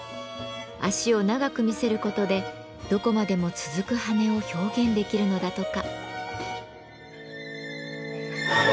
脚を長く見せる事でどこまでも続く羽を表現できるのだとか。